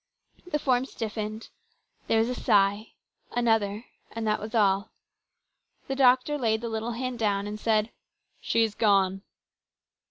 The form stiffened, there was a sigh, another, and that was all. The doctor laid the little hand down and said, " She is gone."